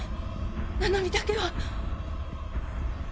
七海だけは。